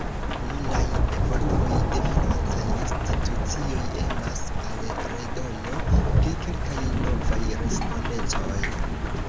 Nunaj evoluoj de francaj institucioj emas al redono de kelkaj novaj respondecoj.